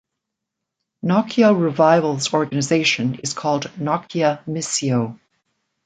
Nokia revival's organisation is called "Nokia Missio".